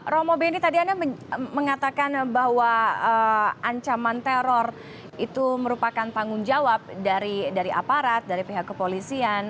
romo beni tadi anda mengatakan bahwa ancaman teror itu merupakan tanggung jawab dari aparat dari pihak kepolisian